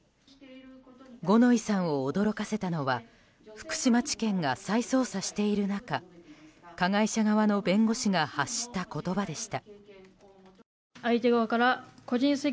五ノ井さんを驚かせたのは福島地検が再捜査している中加害者側の弁護士が発した言葉でした。